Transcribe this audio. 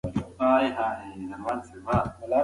موږ باید د کښېناستو پر مهال په خپلو ځایونو کې پاتې شو.